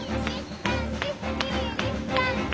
３２３４。